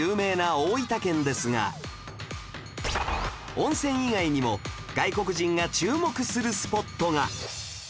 温泉以外にも外国人が注目するスポットが